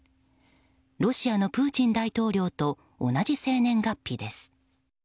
ロシアのプーチン大統領と同じ生年月日です。